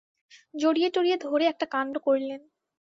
জড়িয়ে-টড়িয়ে ধরে একটা কাণ্ড করলেন।